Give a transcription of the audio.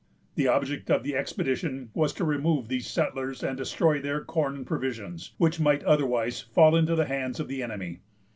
The object of the expedition was to remove these settlers, and destroy their corn and provisions, which might otherwise fall into the hands of the enemy.